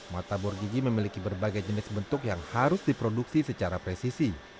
mata bor gigi memiliki berbagai jenis bentuk yang harus diproduksi secara presisi